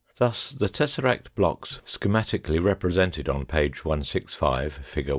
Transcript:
Thus the tesseract blocks schematically represented on page 165, fig.